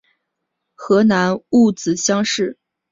河南戊子乡试。